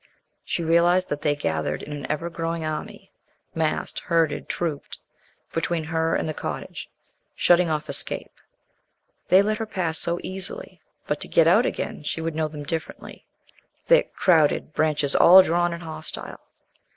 She realized that they gathered in an ever growing army, massed, herded, trooped, between her and the cottage, shutting off escape. They let her pass so easily, but to get out again she would know them differently thick, crowded, branches all drawn and hostile.